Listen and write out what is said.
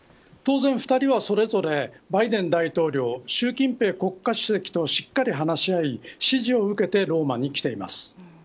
当然２人はそれぞれバイデン大統領習近平国家主席としっかり話し合い、指示を受けてローマに来ています。